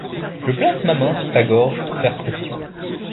Je place ma main sur sa gorge pour faire pression.